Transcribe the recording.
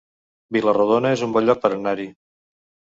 Vila-rodona es un bon lloc per anar-hi